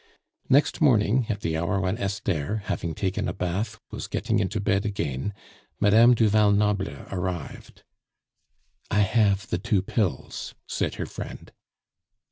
Next morning, at the hour when Esther, having taken a bath, was getting into bed again, Madame du Val Noble arrived. "I have the two pills!" said her friend.